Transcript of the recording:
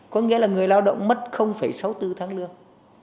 có nghĩa là người lao động mất sáu mươi bốn tháng lương